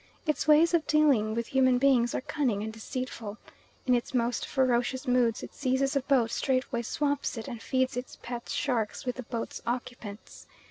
Its ways of dealing with human beings are cunning and deceitful. In its most ferocious moods it seizes a boat, straightway swamps it, and feeds its pet sharks with the boat's occupants.